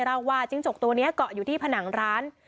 เล่าว่าจิ้งจกตัวนี้เกาะอยู่ที่ผนังร้าน